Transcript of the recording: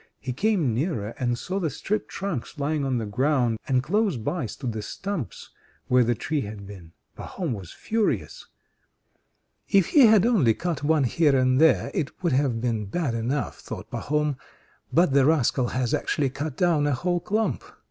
He came nearer, and saw the stripped trunks lying on the ground, and close by stood the stumps, where the tree had been. Pahom was furious. "If he had only cut one here and there it would have been bad enough," thought Pahom, "but the rascal has actually cut down a whole clump.